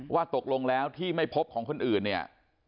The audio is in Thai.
ว่าตกลงแล้วที่ไม่พบของคนอื่นเนี่ย